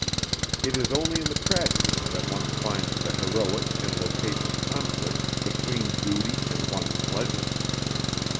It is only in the tragedies that one finds the heroic and loquacious conflict between duty and one's pleasure.